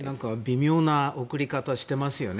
微妙な送り方をしていますよね。